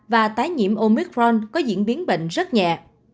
và tái nhiễm omicron có diễn biến bệnh rất nhẹ